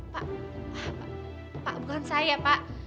pak pak pak bukan saya pak